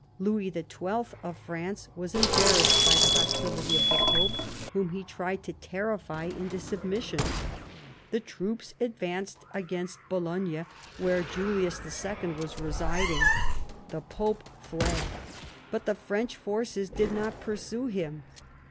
Louis XII. of France was em barrassed by the hostility of the Pope, whom he tried to terrify into submission. His troops advanced against Bologna, where Julius II. was residing. The Pope fled, but the French forces did not pursue him.